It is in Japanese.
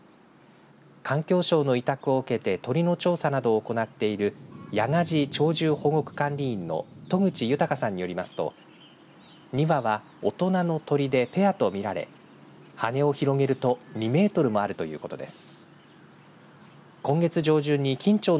環境省の委託を受けて鳥の調査などを行っている屋我地鳥獣保護区管理員の渡久地豊さんによりますと２羽は大人の鳥でペアと見られ羽を広げると２メートルもあるということです。